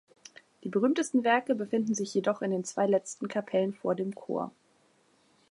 Die berühmtesten Werke befinden sich jedoch in den zwei letzten Kapellen vor dem Chor.